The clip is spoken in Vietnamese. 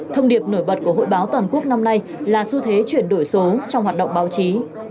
thông điệp nổi bật của hội báo toàn quốc năm nay là xu thế chuyển đổi số trong hoạt động báo chí